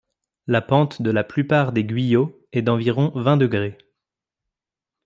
La pente de la plupart des guyots est d'environ vingt degrés.